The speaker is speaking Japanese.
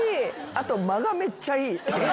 あと間がめっちゃいい。